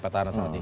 pak tahan asyadi